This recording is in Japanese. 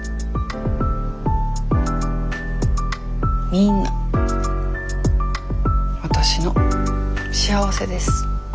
みんなわたしの幸せです。